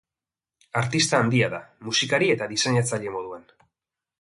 Artista handia da, musikari eta diseinatzaile moduan.